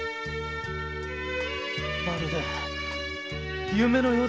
まるで夢のようです。